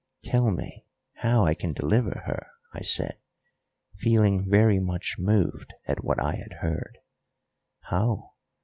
"Tell me how I can deliver her?" I said, feeling very much moved at what I had heard. "How!